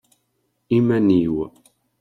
Iman-iw.